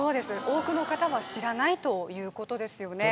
多くの方は知らないということですよね